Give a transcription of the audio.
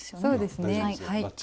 そうですねはい。